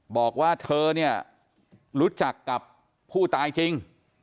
บอกว่าเธอเนี่ยรู้จักกับผู้ตายจริง